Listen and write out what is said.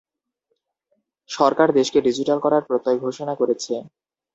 সরকার দেশকে ডিজিটাল করার প্রত্যয় ঘোষণা করেছে।